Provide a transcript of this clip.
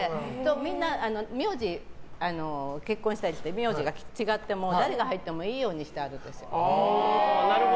みんな結婚したりして名字が違ってて誰が入ってもいいようにしてあるんです。